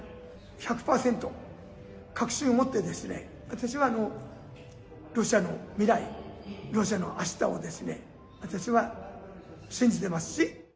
１００％確信を持って、私はロシアの未来、ロシアのあしたを私は信じてますし。